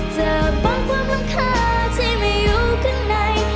จะป้องความร่ำคาที่ไม่อยู่ข้างใน